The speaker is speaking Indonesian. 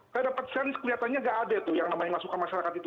tapi dapat kesan kelihatannya tidak ada yang namanya masuk ke masyarakat itu